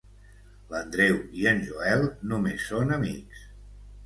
L'Andreu i en Joel només són amics.